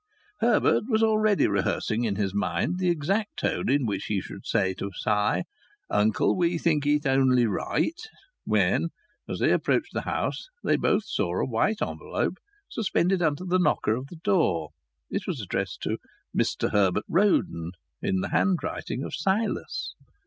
Herbert was already rehearsing in his mind the exact tone in which he should say to Si: "Uncle, we think it only right " when, as they approached the house, they both saw a white envelope suspended under the knocker of the door. It was addressed to "Mr Herbert Roden," in the handwriting of Silas.